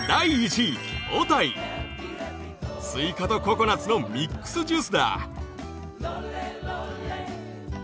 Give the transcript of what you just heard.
スイカとココナツのミックスジュースだ。